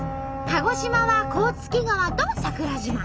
鹿児島は甲突川と桜島。